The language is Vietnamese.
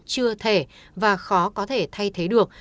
chưa thể và khó có thể thay thế được